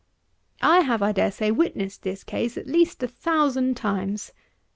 I have, I dare say, witnessed this case at least a thousand times.